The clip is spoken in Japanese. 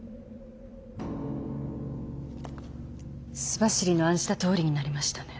州走りの案じたとおりになりましたね。